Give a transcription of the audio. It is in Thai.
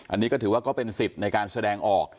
อันนี้ก็ถือว่าก็เป็นสิทธิ์ในการแสดงออก